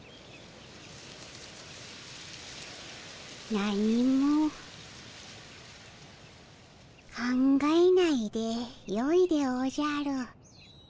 何も考えないでよいでおじゃる。